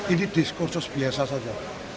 ini diskursus biasa saja